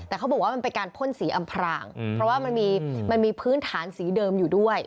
แต่เขาบอกว่ามันเป็นการพ่นสีอำพรางเพราะว่ามันมีพื้นฐานสีเดิมอยู่ด้วย